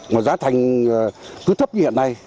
mà giá thành cứ thấp như hiện nay